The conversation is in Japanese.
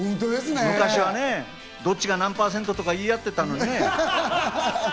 昔はね、どっちが何％とか言いあってたのにね。